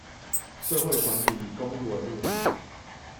社會團體以公益為目的